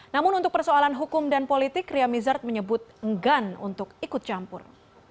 namun untuk persoalan hukum dan politik ria mizard menyebut enggan untuk ikut campur